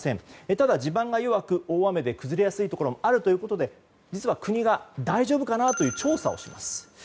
ただ、地盤が弱く大雨で崩れやすいところもあるということで、国が大丈夫かなと調査をします。